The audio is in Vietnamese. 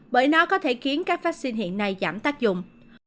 bởi nó có thể khiến các vaccine hiện nay giảm tác dụng